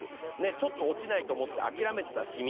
ちょっと落ちないと思ってあきらめていたしみ。